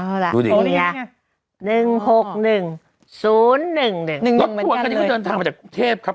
เอาล่ะนี่ไง๑๖๑๐๑๑ค่ะดูดิรถตัวกันนี้ก็เดินทางมาจากกรุงเทพครับ